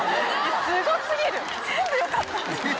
すご過ぎる！